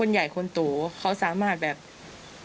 พูดใหญ่บ้านเคยขู่ถึงขั้นจะฆ่าให้ตายด้วยค่ะ